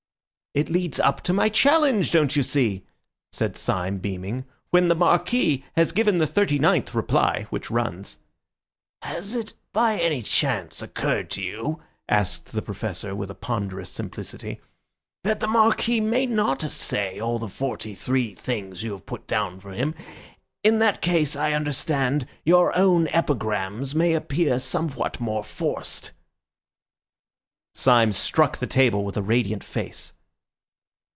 "It leads up to my challenge, don't you see," said Syme, beaming. "When the Marquis has given the thirty ninth reply, which runs—" "Has it by any chance occurred to you," asked the Professor, with a ponderous simplicity, "that the Marquis may not say all the forty three things you have put down for him? In that case, I understand, your own epigrams may appear somewhat more forced." Syme struck the table with a radiant face.